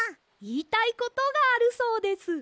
いいたいことがあるそうです。